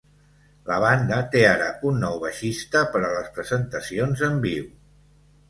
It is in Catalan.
La banda té ara un nou baixista per a les presentacions en viu.